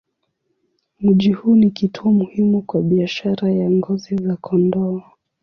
Mji huu ni kituo muhimu kwa biashara ya ngozi za kondoo.